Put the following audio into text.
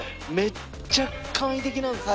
めっちゃ簡易的なんですね。